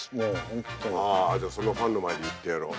ああじゃあそのファンの前で言ってやろう。